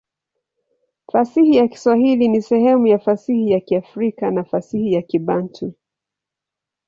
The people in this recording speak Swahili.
Fasihi ya Kiswahili ni sehemu ya fasihi ya Kiafrika na fasihi ya Kibantu.